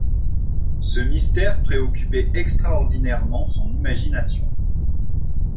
Ce mystère préoccupait extraordinairement son imagination.